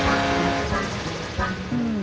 うん。